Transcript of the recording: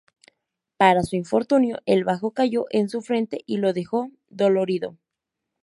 Para su infortunio, el bajo cayó en su frente y lo dejó dolorido.